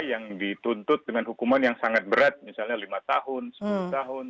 yang dituntut dengan hukuman yang sangat berat misalnya lima tahun sepuluh tahun